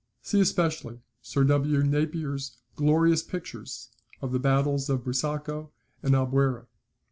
[See especially Sir W. Napier's glorious pictures of the battles of Busaco and Albuera.